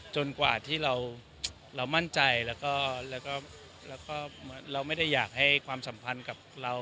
กว่าที่เรามั่นใจแล้วก็เราไม่ได้อยากให้ความสัมพันธ์กับเรา